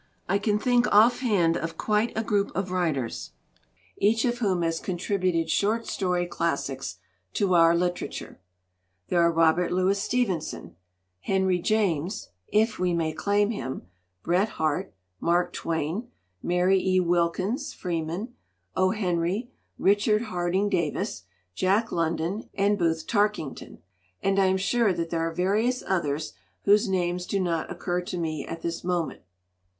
I can think off hand of quite a group of writers, each of whom has contributed short story classics to our litera ture. "There are Robert Louis Stevenson, Henry 247 LITERATURE IN THE MAKING James (if we may claim him), Bret Harte, Mark Twain, Mary E. Wilkins Freeman, 0. Henry, Richard Harding Davis, Jack London, and Booth Tarkington. And I am sure that there are vari ous others whose names do not occur to me at this moment."